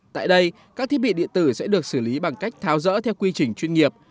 tại đây các thiết bị điện tử sẽ được xử lý bằng cách tháo rỡ theo quy trình chuyên nghiệp